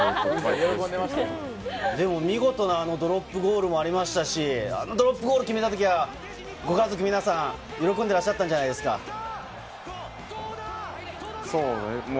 でも見事なドロップゴールもありましたし、ドロップゴールを決めたときは、ご家族皆さん、喜んでらっしゃっそうね。